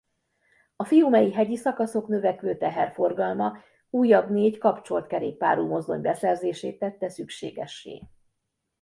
A Fiumei hegyi szakaszok növekvő teherforgalma újabb négy kapcsolt kerékpárú mozdony beszerzését tette szükségessé.